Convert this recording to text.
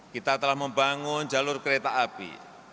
kita telah membangun jalur kereta api